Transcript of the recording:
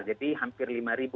jadi hampir lima